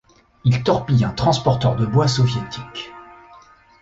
Il torpille un transporteur de bois soviétique.